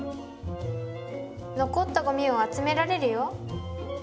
のこったごみを集められるよ。